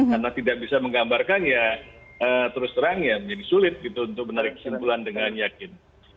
karena tidak bisa menggambarkan ya terus terang ya menjadi sulit untuk menarik kesimpulan dengan yakin